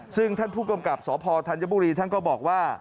ซึ่งท่านผู้กำกับสพธัญบุรีท่านก็บอกว่า